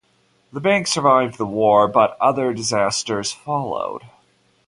The bank survived the war, but other disasters followed.